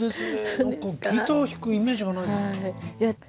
何かギター弾くイメージがない。